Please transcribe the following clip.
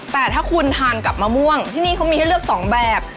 แต่ถ้าคุณทานกับมะม่วงที่นี่เขามีให้เลือก๒แบบ